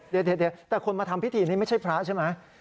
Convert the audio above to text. เดี๋ยวแต่คนมาทำพิธีนี้ไม่ใช่พระใช่ไหม